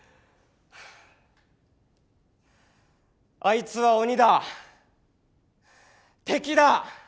「あいつは鬼だ」「敵だ」